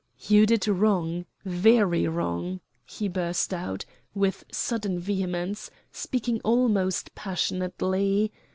"You did wrong, very wrong," he burst out, with sudden vehemence, speaking almost passionately.